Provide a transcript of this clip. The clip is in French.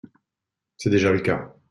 C’est déjà le cas.